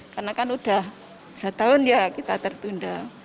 karena kan sudah setahun ya kita tertunda